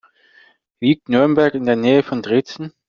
Liegt Nürnberg in der Nähe von Dresden?